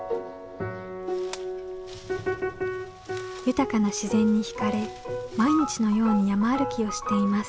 豊かな自然に惹かれ毎日のように山歩きをしています。